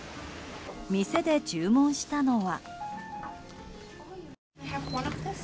店で注文したのは。